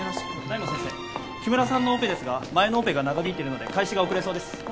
大門先生木村さんのオペですが前のオペが長引いてるので開始が遅れそうです。